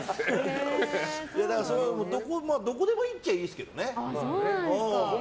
どこでもいいっちゃいいですけどね。